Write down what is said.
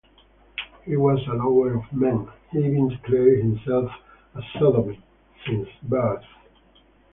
He was a lover of men; having declared himself "a sodomite" since birth.